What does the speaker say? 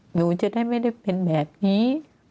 หนูจะได้ไม่ได้เป็นแบบนี้